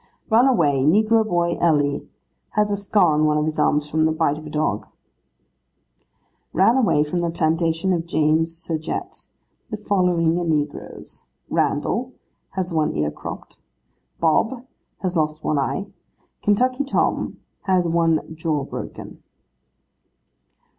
'Ran away, negro boy Ellie. Has a scar on one of his arms from the bite of a dog.' 'Ran away, from the plantation of James Surgette, the following negroes: Randal, has one ear cropped; Bob, has lost one eye; Kentucky Tom, has one jaw broken.